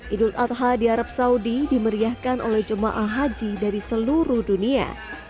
idul adha di arab saudi dimeriahkan oleh jemaah haji dari seluruh dunia